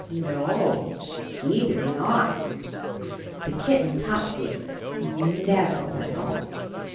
No, he did not. The kitten Topsy never went home.